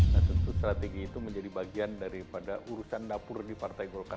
nah tentu strategi itu menjadi bagian daripada urusan dapur di partai golkar